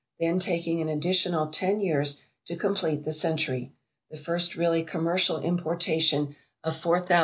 Then taking an additional ten years to complete the century, the first really commercial importation of 4713 lbs.